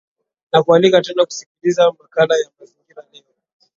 nakualika tena kusikiliza makala ya mazingira leo